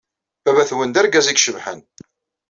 Baba-twen d argaz i icebḥen.